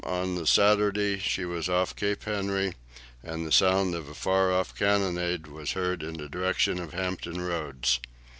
on the Saturday she was off Cape Henry, and the sound of a far off cannonade was heard in the direction of Hampton Roads.